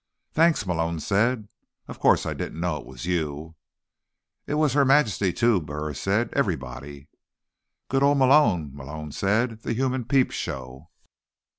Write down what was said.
"Thanks," Malone said. "Of course, I didn't know it was you." "It was Her Majesty too," Burris said. "Everybody." "Good old Malone," Malone said. "The human peep show."